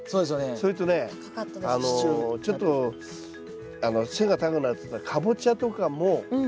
それとねちょっと背が高くなるっていったらカボチャとかも。